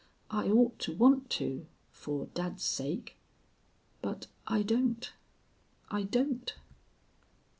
I ought to want to for dad's sake.... But I don't I don't."